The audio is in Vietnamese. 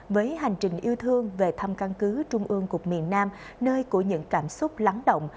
với hành trình yêu thương về thăm căn cứ trung ương cục miền nam nơi của những cảm xúc lắng động